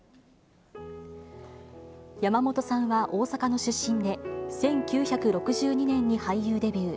山本さんは大阪の出身で、１９６２年に俳優デビュー。